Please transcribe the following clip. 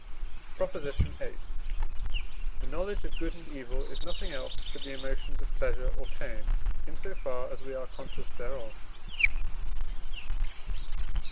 PROP. VIII. The knowledge of good and evil is nothing else but the emotions of pleasure or pain, in so far as we are conscious thereof.